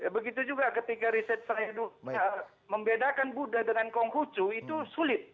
begitu juga ketika riset saya membedakan buddha dengan konghucu itu sulit